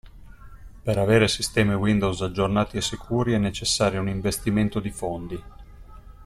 Per avere sistemi Windows aggiornati e sicuri è necessario un investimento di fondi.